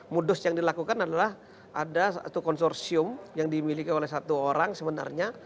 modus yang dilakukan adalah ada satu konsorsium yang dimiliki oleh satu orang sebenarnya